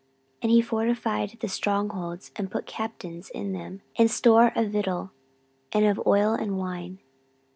14:011:011 And he fortified the strong holds, and put captains in them, and store of victual, and of oil and wine.